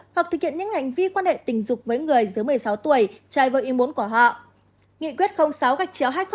hoặc thực hiện những hành vi quan hệ tình dục với người dưới một mươi sáu tuổi trai với yên bốn của họ